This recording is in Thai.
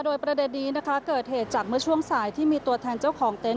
โดยประเด็นนี้นะคะเกิดเหตุจากเมื่อช่วงสายที่มีตัวแทนเจ้าของเต็นต